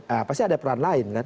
nah pasti ada peran lain kan